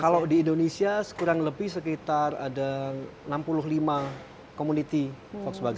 kalau di indonesia kurang lebih sekitar ada enam puluh lima community volkswagen